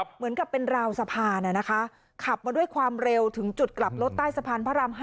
เหมือนกับเป็นราวสะพานนะคะขับมาด้วยความเร็วถึงจุดกลับรถใต้สะพานพระราม๕